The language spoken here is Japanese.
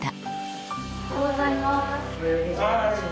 おはようございます。